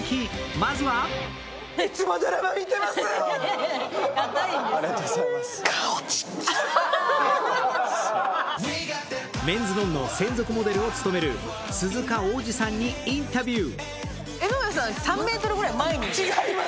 まずは「ＭＥＮ’ＳＮＯＮ−ＮＯ」専属モデルを務める鈴鹿央士さんにインタビュー。